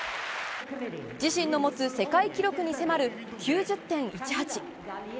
自身の持つ世界記録に迫る９０．１８。